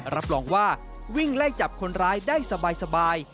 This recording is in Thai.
รับรองว่าวิ่งไล่จับคนร้ายได้สบาย